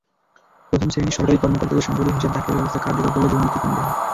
প্রথম শ্রেণির সরকারি কর্মকর্তাদের সম্পদের হিসাব দাখিলের ব্যবস্থা কার্যকর করলে দুর্নীতি কমবে।